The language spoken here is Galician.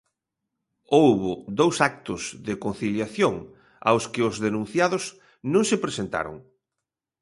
Houbo dous actos de conciliación aos que os denunciados non se presentaron.